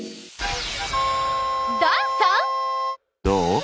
どう？